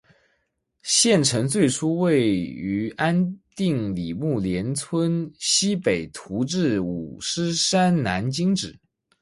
县城最初位于安定里木连村溪北徙治五狮山南今址。